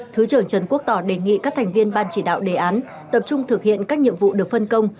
thứ trưởng trần quốc tỏ đề nghị các thành viên ban chỉ đạo đề án tập trung thực hiện các nhiệm vụ được phân công